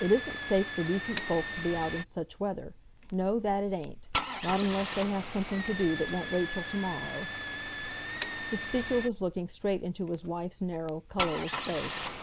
"It isn't safe for decent folk to be out in such weather—no, that it ain't, not unless they have something to do that won't wait till to morrow." The speaker was looking straight into his wife's narrow, colourless face.